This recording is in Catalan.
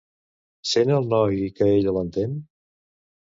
Sent el noi que ella l'entén?